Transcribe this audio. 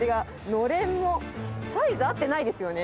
のれんも、サイズ合ってないですよね。